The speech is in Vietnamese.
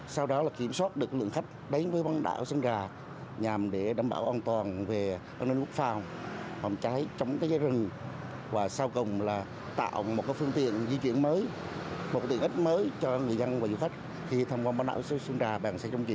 sau đó là kiểm soát được lượng khách đến với bán đảo sơn trà